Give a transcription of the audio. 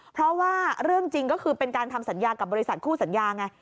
เพราะว่าเรื่องจริงก็คือเป็นการทำสัญญากับบริษัทคู่สัญญาไง